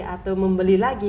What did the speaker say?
atau membeli lagi